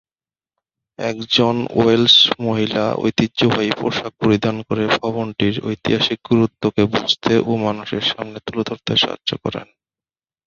একজন ওয়েলশ মহিলা ঐতিহ্যবাহী পোশাক পরিধান করে ভবনটির ঐতিহাসিক গুরুত্ব কে বুঝতে ও মানুষের সামনে তুলে ধরতে সাহায্য করেন।